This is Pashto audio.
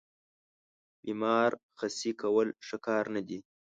بیمار خسي کول ښه کار نه دی.